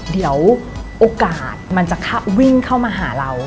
เดี๋ยวโอกาสมันจะวิ่งเข้ามาหาเรา